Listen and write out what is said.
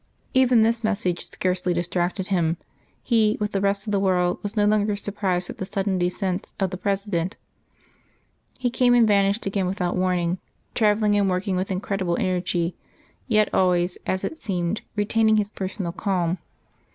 Even this message scarcely distracted him. He, with the rest of the world, was no longer surprised at the sudden descents of the President. He came and vanished again without warning, travelling and working with incredible energy, yet always, as it seemed, retaining his personal calm.